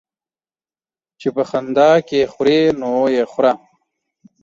چي په خندا کې خورې ، نو يې خوره.